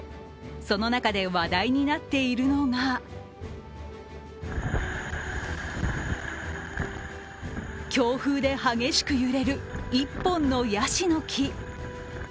その中で話題になっているのが強風で激しく揺れる一本のやしの木。